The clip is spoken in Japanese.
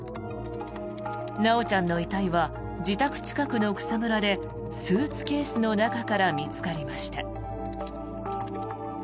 修ちゃんの遺体は自宅近くの草むらでスーツケースの中から見つかりました。